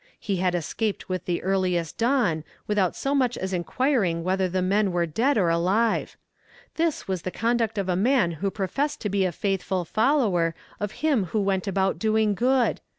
He had escaped with the earliest dawn, without so much as inquiring whether the men were dead or alive. This was the conduct of a man who professed to be a faithful follower of Him who went about doing good!